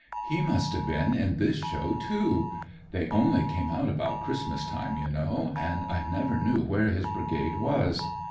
He must have been in this show, too. They only came out about Christmas time, you know, and I never knew ■. re his brigade was.